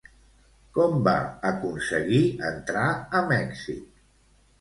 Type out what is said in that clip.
Com va aconseguir entrar a Mèxic?